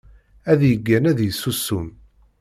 Ad yeggan ad yessusum.